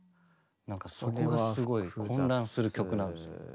なんかそこがすごい混乱する曲なんですよ。